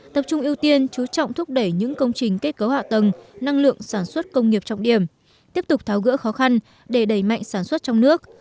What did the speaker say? tập trung ưu tiên chú trọng thúc đẩy những công trình kết cấu hạ tầng năng lượng sản xuất công nghiệp trọng điểm tiếp tục tháo gỡ khó khăn để đẩy mạnh sản xuất trong nước